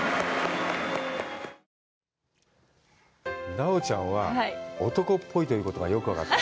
奈緒ちゃんは男っぽいということがよく分かった。